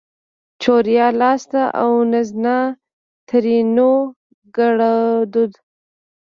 چوریا لاسته اونزنا؛ ترينو ګړدود